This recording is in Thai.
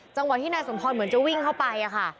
จังหวะที่นายสมพรเหมือนจะวิ่งเข้าไปค่ะ